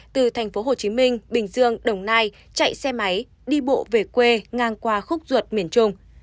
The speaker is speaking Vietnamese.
từ tp hcm bình dương đồng nai chạy xe máy đi bộ về quê ngang qua khúc ruột miền trung